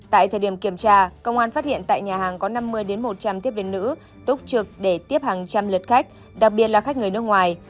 tại thời điểm kiểm tra công an phát hiện tại nhà hàng có năm mươi một trăm linh tiếp viên nữ túc trực để tiếp hàng trăm lượt khách đặc biệt là khách người nước ngoài